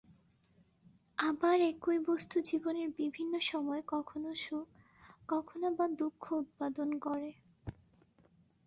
আবার একই বস্তু জীবনে বিভিন্ন সময়ে কখনও সুখ, কখনও বা দুঃখ উৎপাদন করে।